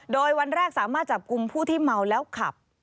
โดยวันแรกสามารถจับกลุ่มผู้ที่เมาแล้วขับ